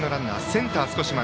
センターは少し前。